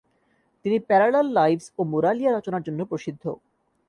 তিনি parallel lives ও Moralia রচনার জন্য প্রসিদ্ধ।